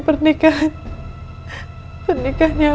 kita cuma cari penting papa